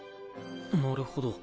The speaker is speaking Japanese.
なるほど。